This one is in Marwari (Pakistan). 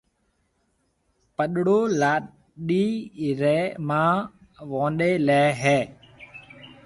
پڏڙو لاڏِي رِي مان وئونڏَي ليَ ھيََََ